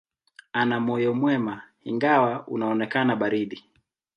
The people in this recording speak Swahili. Ana moyo mwema, ingawa unaonekana baridi.